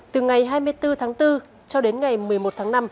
từ ngày hai mươi bốn tháng bốn cho đến ngày một mươi một tháng năm